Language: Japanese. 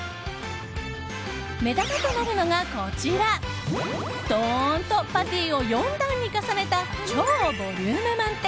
目玉となるのがこちらドーンとパティを４段に重ねた超ボリューム満点